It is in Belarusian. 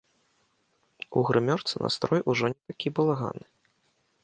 У грымёрцы настрой ужо не такі балаганны.